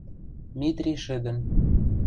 Митри шӹдӹн.